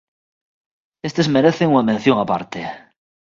Estes merecen unha mención aparte.